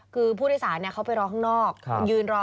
คือผู้โดยสารเขาไปรอข้างนอกยืนรอ